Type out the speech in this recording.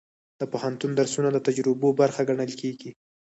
د پوهنتون درسونه د تجربو برخه ګڼل کېږي.